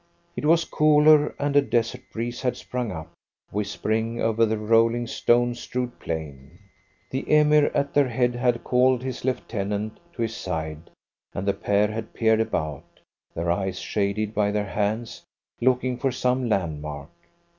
It was cooler, and a desert breeze had sprung up, whispering over the rolling, stone strewed plain. The Emir at their head had called his lieutenant to his side, and the pair had peered about, their eyes shaded by their hands, looking for some landmark.